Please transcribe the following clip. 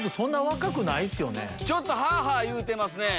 ちょっとハァハァいうてますね。